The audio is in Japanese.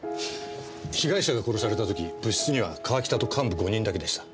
被害者が殺された時部室には川北と幹部５人だけでした。